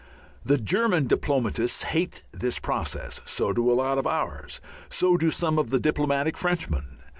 The German diplomatists hate this process. So do a lot of ours. So do some of the diplomatic Frenchmen.